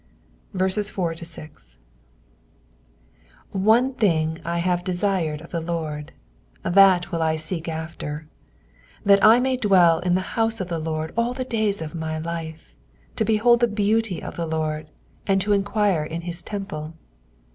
4 One thing have I desired of the Lord, that wiil I seek after ; that I may dwell in the house of the Lord all the days of my life, to behold the beauty of the Lord, and to enquire in his temple.